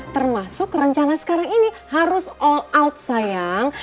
termasuk rencana sekarang ini harus all out sayang